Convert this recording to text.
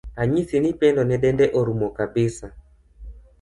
Anyisi ni Pendo ne dende orumo kabisa.